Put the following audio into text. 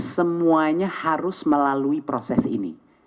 semuanya harus melalui proses ini